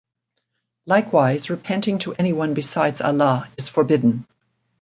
Likewise repenting to anyone besides Allah is forbidden.